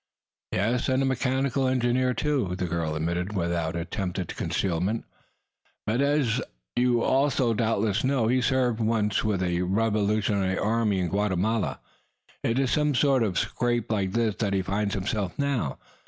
"Yes, and a mechanical engineer, too," the girl admitted, without attempt at concealment "As you also doubtless know, he served, once, with a revolutionary army in Guatemala. It is in some sort of scrape like this that he finds him self now.